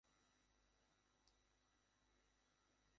এতে অংশ নিতে হয়েছে দেখে বেশ হতাশায় নিপতিত হয়েছি।